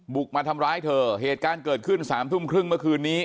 มาทำร้ายเธอเหตุการณ์เกิดขึ้นสามทุ่มครึ่งเมื่อคืนนี้